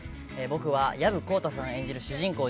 僕は薮宏太さん演じる主人公